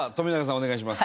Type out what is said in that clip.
お願いします。